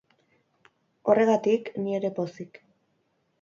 Horregatik, ni ere pozik.